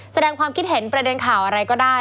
แสดงความคิดเห็นประเด็นข่าวอะไรก็ได้